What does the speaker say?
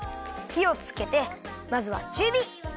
ひをつけてまずはちゅうび！